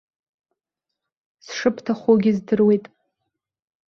Сшыбҭахугьы здыруеит.